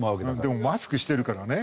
でもマスクしてるからね。